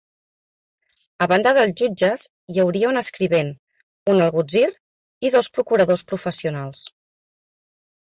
A banda dels jutges hi hauria un escrivent, un algutzir i dos procuradors professionals.